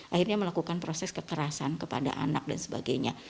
akhirnya melakukan proses kekerasan kepada anak dan sebagainya